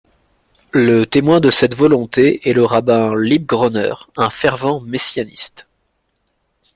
Le témoin de cette volonté est le rabbin Leib Groner un fervent messianiste.